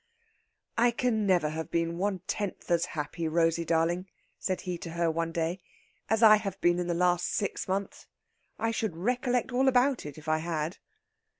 "I can never have been one tenth as happy, Rosey darling," said he to her one day, "as I have been in the last six months. I should recollect all about it if I had."